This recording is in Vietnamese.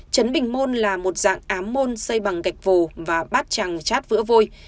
trấn bình môn là một dạng ám môn xây bằng gạch vồ và bát trăng chát vữa vôi